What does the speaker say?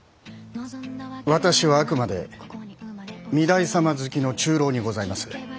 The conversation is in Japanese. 私はあくまで御台様付きの中臈にございます。